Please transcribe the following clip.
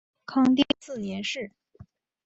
泰定四年事。